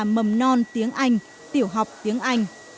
mầm non tiếng anh tiểu học tiếng anh